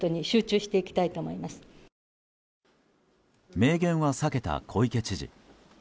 明言は避けた小池知事。